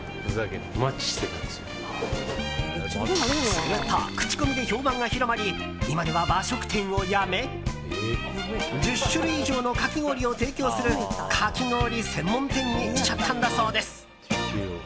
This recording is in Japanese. すると口コミで評判が広まり今では和食店をやめ１０種類以上のかき氷を提供するかき氷専門店にしちゃったんだそうです。